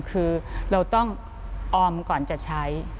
คือเราต้องออมก่อนจะใช้